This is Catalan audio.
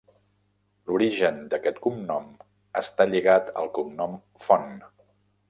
L'origen d'aquest cognom està lligat al cognom Font.